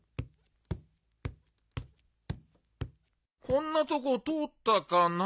こんなとこ通ったかな？